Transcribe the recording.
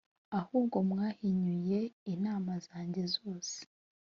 ahubwo mwahinyuye inama zanjye zose